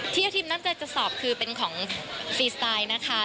ที่ทีมนั้นจะสอบคือเป็นของฟรีสไตล์นะคะ